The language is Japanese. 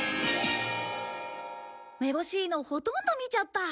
めぼしいのほとんど見ちゃった。